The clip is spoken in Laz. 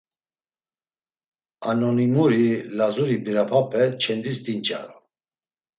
Anonimuri Lazuri birapape çendis dinç̌aru.